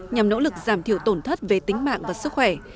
nhằm nỗ lực giảm thiểu tổn thất về tính mạng và sức khỏe